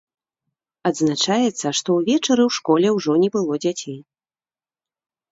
Адзначаецца, што ўвечары ў школе ўжо не было дзяцей.